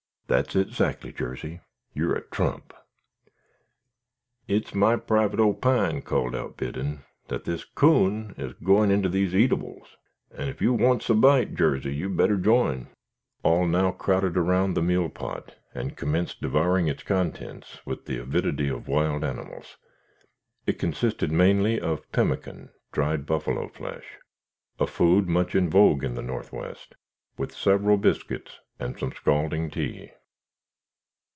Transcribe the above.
"That's it 'zactly, Jarsey, you're a trump." "It's my private opine," called out Biddon, "that this coon is goin' inter these eatables, and ef you wants a bite, Jarsey, you'd better jine." All now crowded around the meal pot, and commenced devouring its contents with the avidity of wild animals. It consisted mainly of pemmican (dried buffalo flesh), a food much in vogue in the northwest, with several biscuits and some scalding tea.